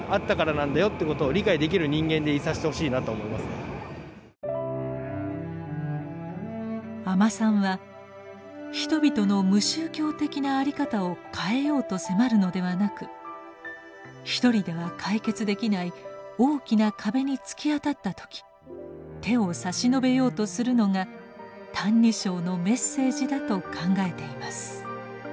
やっぱり阿満さんは人々の無宗教的なあり方を変えようと迫るのではなく一人では解決できない大きな壁に突き当たった時手を差し伸べようとするのが「歎異抄」のメッセージだと考えています。